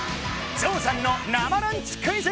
ゾウさんの生ランチクイズ。